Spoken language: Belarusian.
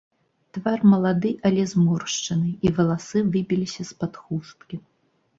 Твар малады, але зморшчаны, і валасы выбіліся з-пад хусткі.